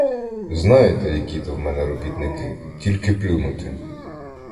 Знаєте, які то в мене робітники, тільки плюнути!